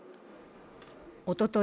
おととい